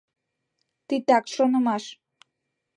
Титак шонымаш